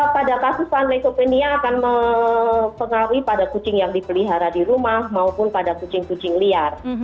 pada kasus annesopenia akan mempengaruhi pada kucing yang dipelihara di rumah maupun pada kucing kucing liar